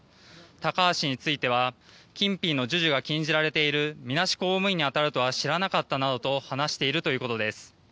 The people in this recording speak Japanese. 高橋氏については金品の授受が禁じられているみなし公務員に当たるとは知らなかったなどと話しているということです。